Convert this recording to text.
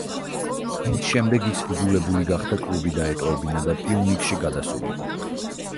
ამის შემდეგ ის იძულებული გახდა კლუბი დაეტოვებინა და „პიუნიკში“ გადასულიყო.